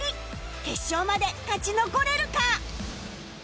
決勝まで勝ち残れるか！？